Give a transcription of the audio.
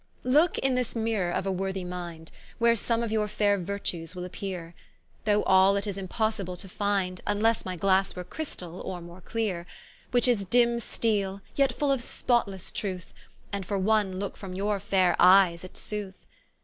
Looke in this Mirrour of a worthy Mind, Where some of your faire Virtues will appeare: Though all it is impossible to find, Vnlesse my Glasse were chrystall, or more cleare: Which is dym steele, yet full of spotlesse truth, And for one looke from your faire eyes it su'th.